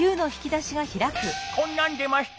こんなんでました。